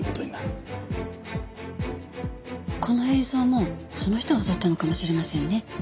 この映像もその人が撮ったのかもしれませんね。